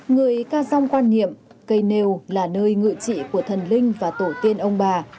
người ca song quan hiệm cây nêu là nơi ngựa trị của thần linh và tổ tiên ông bà